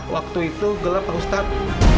waktu itu gelap ustadz